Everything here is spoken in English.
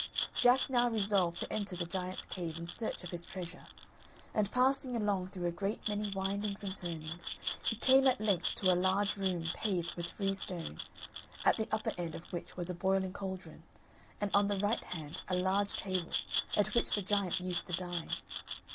Jack now resolved to enter the giant's cave in search of his treasure, and, passing along through a great many windings and turnings, he came at length to a large room paved with freestone, at the upper end of which was a boiling caldron, and on the right hand a large table, at which the giant used to dine.